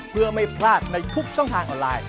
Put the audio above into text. เพื่อไม่พลาดในทุกช่องทางออนไลน์